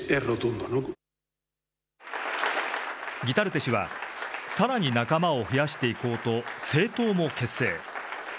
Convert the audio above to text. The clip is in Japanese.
ギタルテ氏は、さらに仲間を増やしていこうと政党も結成。